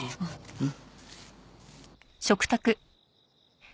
うん。